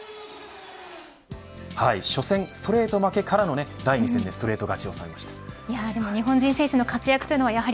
初戦、ストレート負けからの第２戦でストレート勝ちを日本人の選手の活躍